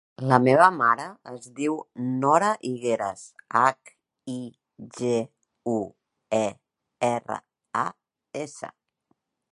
La meva mare es diu Nora Higueras: hac, i, ge, u, e, erra, a, essa.